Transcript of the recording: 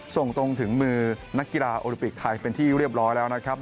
ส่งตรงถึงมือนักกีฬาโอลิปิกไทยเป็นที่เรียบร้อยแล้วนะครับ